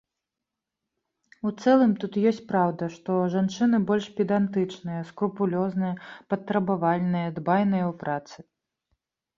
У цэлым тут ёсць праўда, што жанчыны больш педантычныя, скрупулёзныя, патрабавальныя, дбайныя ў працы.